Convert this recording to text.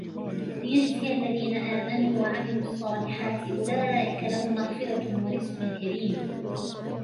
لِيَجْزِيَ الَّذِينَ آمَنُوا وَعَمِلُوا الصَّالِحَاتِ أُولَئِكَ لَهُمْ مَغْفِرَةٌ وَرِزْقٌ كَرِيمٌ